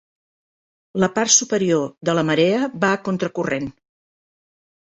La part superior de la marea va a contracorrent.